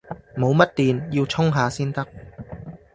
冇乜電，要充下先得